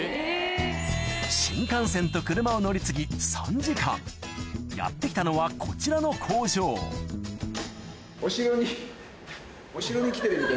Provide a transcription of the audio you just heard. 新幹線と車を乗り継ぎ３時間やって来たのはこちらの工場お城に。